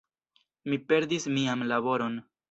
Mi perdis mian laboron.